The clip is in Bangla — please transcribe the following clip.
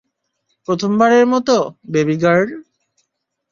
প্রথম বারের মত, বেবি গার্ল।